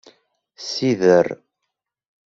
Sider.